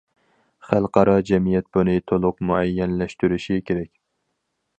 خەلقئارا جەمئىيەت بۇنى تولۇق مۇئەييەنلەشتۈرۈشى كېرەك.